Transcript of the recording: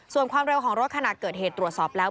ส่วนความเร็วของรถขณะเกิดเหตุตรวจสอบแล้ว